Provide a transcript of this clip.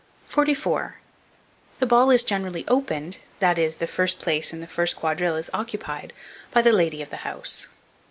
44. THE BALL IS GENERALLY OPENED, that is, the first place in the first quadrille is occupied, by the lady of the house.